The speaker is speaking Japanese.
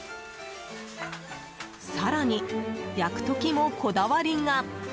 更に焼く時もこだわりが。